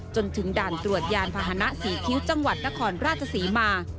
จนถึงด่านตรวจยานพาหนะศรีคิ้วจังหวัดนครราชศรีมา